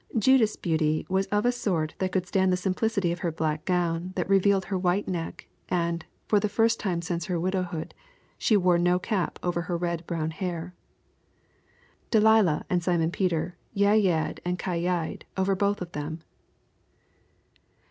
Judith's beauty was of a sort that could stand the simplicity of her black gown that revealed her white neck, and, for the first time since her widowhood, she wore no cap over her red brown hair. Delilah and Simon Peter yah yahed and ki yied over both of them.